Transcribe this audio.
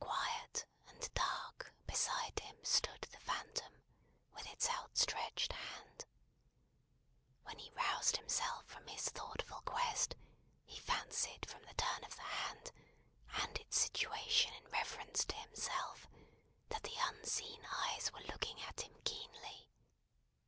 Quiet and dark, beside him stood the Phantom, with its outstretched hand. When he roused himself from his thoughtful quest, he fancied from the turn of the hand, and its situation in reference to himself, that the Unseen Eyes were looking at him keenly.